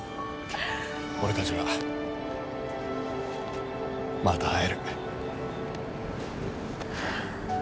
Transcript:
俺たちはまた会える。